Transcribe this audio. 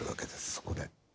そこで。